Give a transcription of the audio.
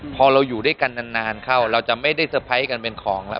พอเราอยู่ด้วยกันนานเข้าเราจะไม่ได้เตอร์ไพรส์กันเป็นของแล้ว